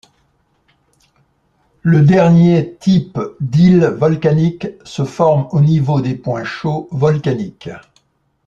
Le dernier type d'île volcanique se forme au niveau des points chauds volcaniques.